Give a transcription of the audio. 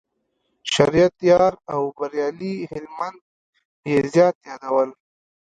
شریعت یار او بریالي هلمند یې زیات یادول.